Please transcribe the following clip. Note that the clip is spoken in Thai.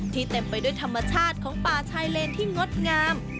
เต็มไปด้วยธรรมชาติของป่าชายเลนที่งดงาม